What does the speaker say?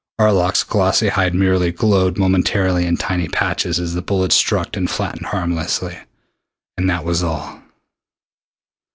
Arlok's glossy hide merely, glowed momentarily in tiny patches as the bullets struck and flattened harmlessly and that was all.